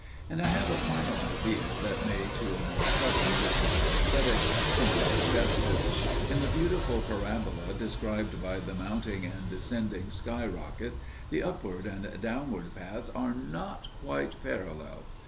And I have a final idea that may, to a more subtile student of Æsthetic, seem suggestive. In the beautiful parabola described by the mounting and descending sky rocket the upward and downward path are not quite parallel.